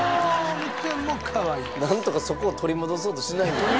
なんとかそこを取り戻そうとしないでください。